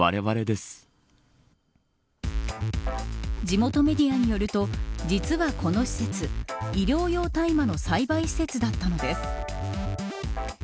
地元メディアによると実はこの施設医療用大麻の栽培施設だったのです。